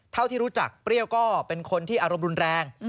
เท่าที่รู้จักเปรี้ยวก็เป็นคนที่อารมณ์รุนแรง